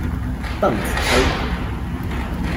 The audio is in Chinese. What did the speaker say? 邓紫飞。